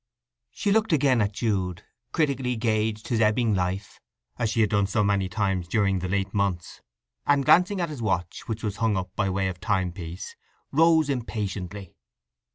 She looked again at Jude, critically gauged his ebbing life, as she had done so many times during the late months, and glancing at his watch, which was hung up by way of timepiece, rose impatiently.